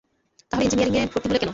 তাহলে ইঞ্জিনিয়ারিংয়ে ভর্তি হলে কেন?